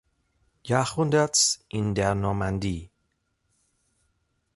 Jahrhunderts in der Normandie.